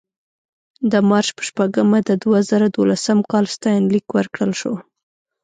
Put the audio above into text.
د مارچ په شپږمه د دوه زره دولسم کال ستاینلیک ورکړل شو.